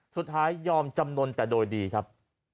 ยอมจำนวนแต่โดยดีครับ